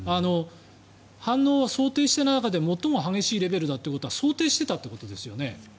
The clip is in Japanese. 反応は想定していた中で最も激しいレベルだったって想定してたということですよね。